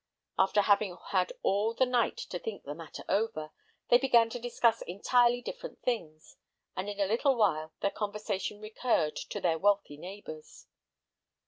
After having had all the night to think the matter over, they began to discuss entirely different things, and in a little while their conversation recurred to their wealthy neighbors.